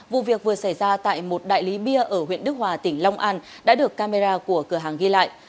vụ việc vừa xảy ra tại một đại lý bia ở huyện đức hòa tỉnh long an đã được camera của cửa hàng ghi lại